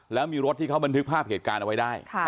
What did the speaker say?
แล้วมีรถที่เขาบันทึกภาพเหตุการณ์เอาไว้ได้